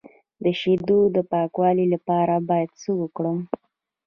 د شیدو د پاکوالي لپاره باید څه وکړم؟